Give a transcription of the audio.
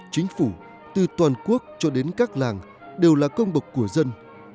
chính phủ từ toàn quốc cho đến các làng đều là công bậc của dân